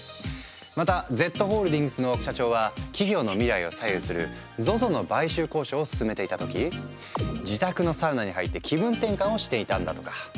またＺホールディングスの社長は企業の未来を左右するＺＯＺＯの買収交渉を進めていた時自宅のサウナに入って気分転換をしていたんだとか。